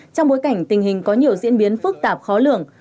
trong bối cảnh tình hình có nhiều diễn biến phức tạp khó lường